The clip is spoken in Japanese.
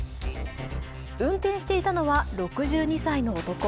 運転していたのは６２歳の男。